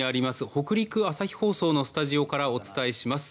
北陸朝日放送のスタジオからお伝えします。